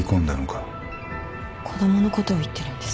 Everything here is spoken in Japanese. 子供のことを言ってるんですか？